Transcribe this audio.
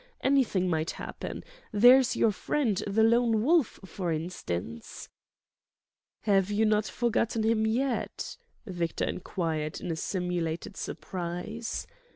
Anything might happen. There's your friend, the Lone Wolf, for instance ..." "Have you not forgotten him yet?" Victor enquired in simulated surprise.